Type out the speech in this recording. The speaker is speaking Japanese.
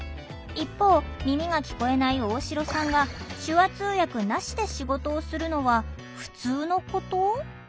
一方耳が聞こえない大城さんが手話通訳なしで仕事をするのはふつうのこと？